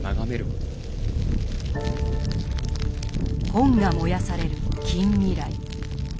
本が燃やされる近未来。